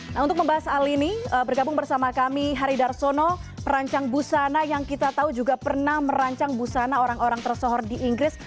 nah untuk membahas hal ini bergabung bersama kami hari darsono perancang busana yang kita tahu juga pernah merancang busana orang orang tersohor di inggris